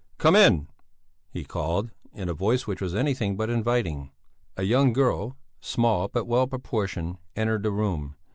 "Come in," he called, in a voice which was anything but inviting. A young girl, small but well proportioned, entered the room.